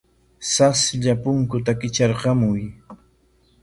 Saslla punkuta kitrarkamuy.